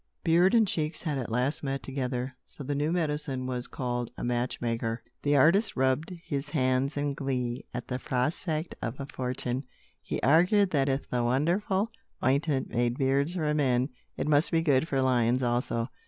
Beard and cheeks had at last met together. So the new medicine was called a "match maker." The artist rubbed his hands in glee, at the prospect of a fortune. He argued that if the wonderful ointment made beards for men, it must be good for lions also.